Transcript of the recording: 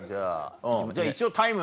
じゃあ一応タイム。